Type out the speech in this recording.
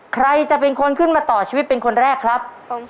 ใครจะเป็นคนขึ้นมาต่อชีวิตเป็นคนแรกครับ